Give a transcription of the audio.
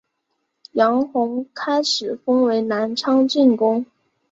杨珙开始封为南昌郡公。